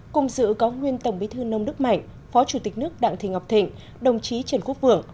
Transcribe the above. cùng dự có nguyên tổng bí thư nông đức mạnh phó chủ tịch nước đặng thị ngọc thịnh đồng chí trần quốc vượng